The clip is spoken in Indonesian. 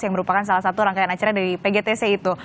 yang merupakan salah satu rangkaian acara dari pgtc itu